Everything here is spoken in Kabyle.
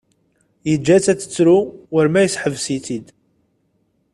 Yeǧǧa-tt ad tettru war ma yesseḥbes-itt-id.